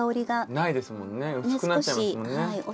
ないですもんね薄くなっちゃいますもんね。